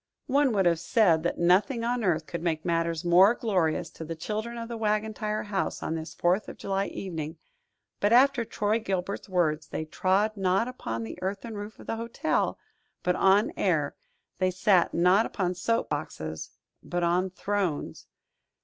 One would have said that nothing on earth could make matters more glorious to the children of the Wagon Tire House on this Fourth of July evening; but after Troy Gilbert's words, they trod not upon the earthen roof of the hotel, but on air; they sat not upon soap boxes, but on thrones.